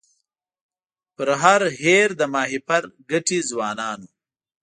پر هر هېر د ماهیپر ګټي ځوانانو